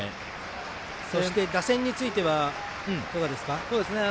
そして打線についてはいかがですか。